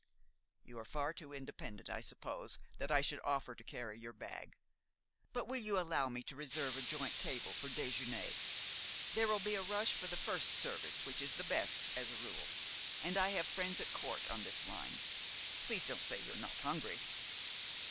You are far too independent, I suppose, that I should offer to carry your bag; but will you allow me to reserve a joint table for déjeuner? There will be a rush for the first service, which is the best, as a rule, and I have friends at court on this line. Please don't say you are not hungry."